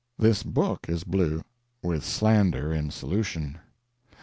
This book is blue with slander in solution.